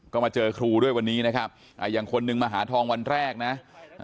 ก็มาเจอครูด้วยวันนี้นะครับอย่างคนนึงมาหาทองวันแรกนะ